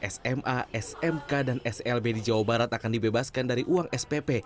sma smk dan slb di jawa barat akan dibebaskan dari uang spp